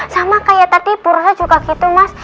sama kayak tadi ibu rosa juga gitu mas